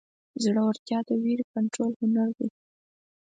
زړهورتیا د وېرې د کنټرول هنر دی.